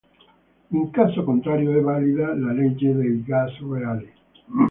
In caso contrario è valida la legge dei gas reali.